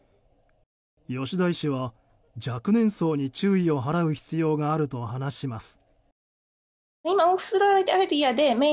吉田医師は、若年層に注意を払う必要があると話します。